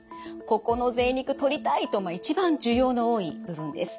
「ここのぜい肉とりたい」と一番需要の多い部分です。